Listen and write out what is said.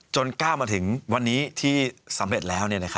ก้าวมาถึงวันนี้ที่สำเร็จแล้ว